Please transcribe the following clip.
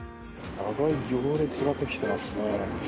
長い行列ができていますね。